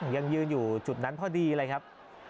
ยังยืนอยู่จุดนั้นพอดีเลยครับ